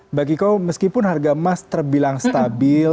mbak kiko meskipun harga emas terbilang stabil